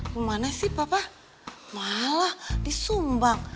gimana sih papa malah disumbang